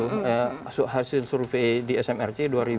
saya sudah melakukan survei di smrc